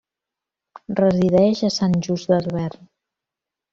Resideix a Sant Just Desvern.